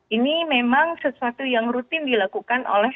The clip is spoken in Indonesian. ini memang sesuatu yang rutin dilakukan oleh